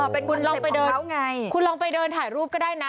เป็นคุณลองไปเดินเขาไงคุณลองไปเดินถ่ายรูปก็ได้นะ